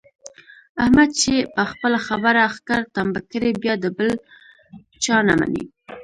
احمد چې په خپله خبره ښکر تمبه کړي بیا د بل چا نه مني.